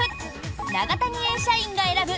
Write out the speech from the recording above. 永谷園社員が選ぶ